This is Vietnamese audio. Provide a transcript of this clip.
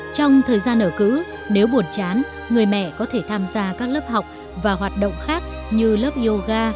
trong thời gian ở cũ nếu buồn chán người mẹ có thể tham gia các lớp học và hoạt động khác như lớp yoga